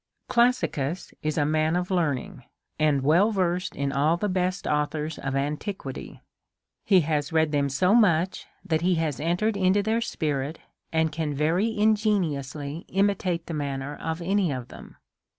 Classicus is a man of learning', and well versed in all the best authors of antiquity. He has read them so much that he has entered into their spirit, and can very ingeniously imitate the manner of any of them.